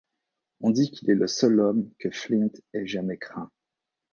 On dit qu'il est le seul homme que Flint ait jamais craint.